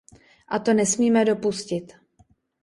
A to nesmíme dopustit.